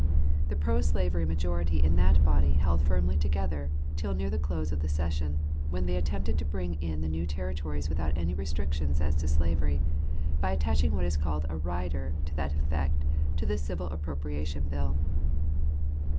The pro slavery majority in that body held firmly together till near the close of the session, when they attempted to bring in the new territories without any restriction as to slavery, by attaching what is called "a rider" to that effect to the Civil Appropriation Bill.